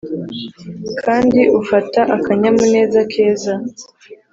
kandi ufata akanyamuneza keza,